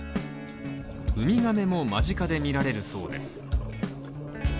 ウミガメも間近で見られるそうです。